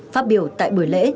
phát biểu tại buổi lễ